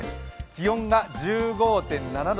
気温が１５．７度。